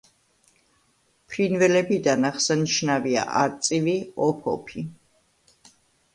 ფრინველებიდან აღსანიშნავია არწივი, ოფოფი.